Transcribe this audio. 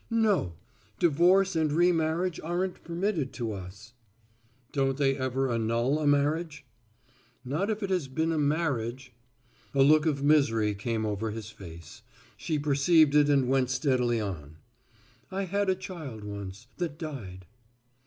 "No. Divorce and remarriage aren't permitted to us." "Don't they ever annul a marriage?" "Not if it has been marriage." A look of misery came over his face. She perceived it and went steadily on. "I had a child once that died."